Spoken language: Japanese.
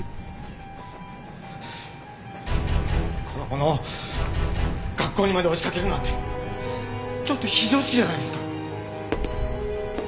子供の学校にまで押しかけるなんてちょっと非常識じゃないですか？